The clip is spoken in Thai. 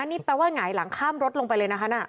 นี่แปลว่าหงายหลังข้ามรถลงไปเลยนะคะน่ะ